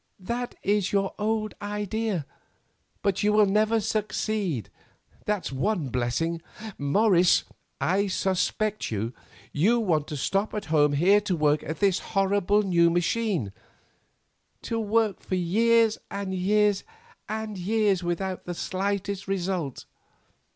That is your old idea, but you will never succeed, that's one blessing. Morris, I suspect you; you want to stop at home here to work at this horrible new machine; to work for years, and years, and years without the slightest result.